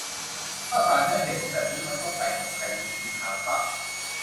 ถ้าศาลใช้เหตุผลแบบนี้ มันก็ไก่กับไข่งูกินหางปะ